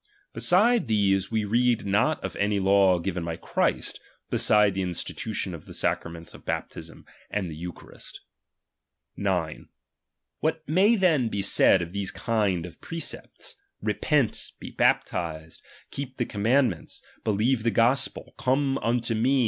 Beside these, we read not of any law given by Christ, beside the institution of the sacraments of baptism and the eucharist. 9. What may be said then of these kind of pre RELIGION. 265 ce pts, Itepenl, Be baptlxed. Keep Ike Command cBAp.\n ments. Believe the Gospel, Come unto vie.